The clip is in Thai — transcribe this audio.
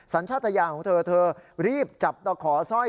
สัญชาติยานของเธอเธอรีบจับตะขอสร้อย